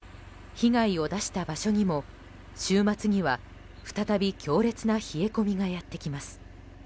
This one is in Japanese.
被害を出した場所にも週末には再び強烈な冷え込みがやってきます。